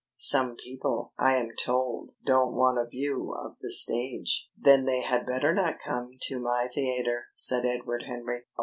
Some people, I am told, don't want a view of the stage." "Then they had better not come to my theatre," said Edward Henry.